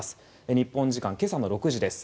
日本時間今朝の６時です。